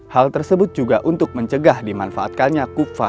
hal tersebut juga untuk mencegah dimanfaatkannya kufa